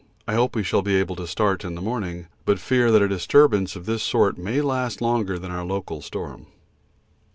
I hope we shall be able to start in the morning, but fear that a disturbance of this sort may last longer than our local storm.